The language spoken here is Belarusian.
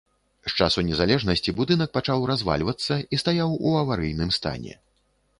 З часу незалежнасці будынак пачаў развальвацца і стаяў у аварыйным стане.